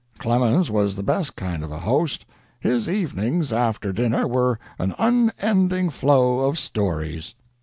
Clemens was the best kind of a host; his evenings after dinner were an unending flow of stories."